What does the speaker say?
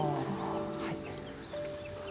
はい。